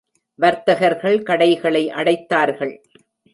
வர்த்தகர்கள் கடைகளை அடைத்தார்கள்.